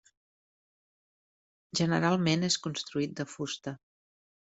Generalment és construït de fusta.